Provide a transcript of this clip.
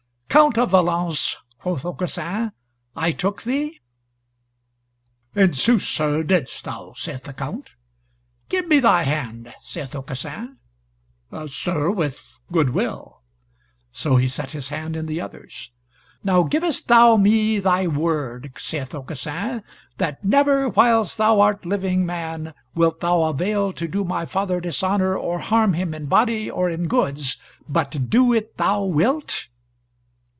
"Count of Valence," quoth Aucassin, "I took thee?" "In sooth, Sir, didst thou," saith the Count. "Give me thy hand," saith Aucassin. "Sir, with good will." So he set his hand in the other's. "Now givest thou me thy word," saith Aucassin, "that never whiles thou art living man wilt thou avail to do my father dishonour, or harm him in body, or in goods, but do it thou wilt?"